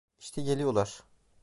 İşte geliyorlar.